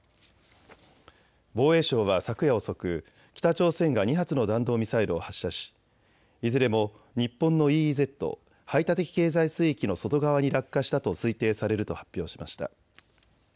防衛省は昨夜遅く北朝鮮が２発の弾道ミサイルを発射しいずれも日本のＥＥＺ・排他的経済水域の外側に落下したと推定されると発表しました。